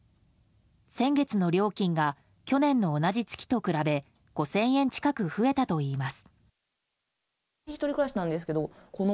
先月の料金が去年の同じ月と比べ５０００円近く増えたといいます。